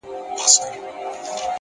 له دغي لويي وچي وځم ـ